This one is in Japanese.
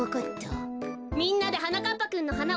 みんなではなかっぱくんのはなをさかせましょう！